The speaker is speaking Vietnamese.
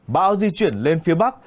bão di chuyển lên phía bắc